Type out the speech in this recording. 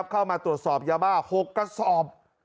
แล้วเจ้ามาตรวจสอบอย่าบ้าหกกระสอบ